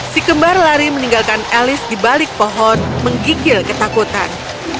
si kembar lari meninggalkan elis di balik pohon menggigil ketakutan